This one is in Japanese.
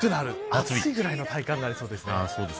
暑いくらいの体感になりそうです。